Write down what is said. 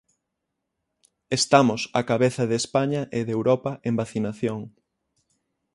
Estamos á cabeza de España e de Europa en vacinación.